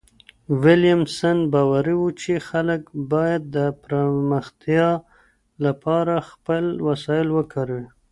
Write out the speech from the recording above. ويلم سن باوري و چي خلګ بايد د پرمختيا لپاره خپل وسايل وکاروي.